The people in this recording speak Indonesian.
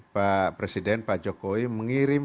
pak presiden pak jokowi mengirim